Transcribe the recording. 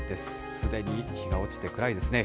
すでに日が落ちて暗いですね。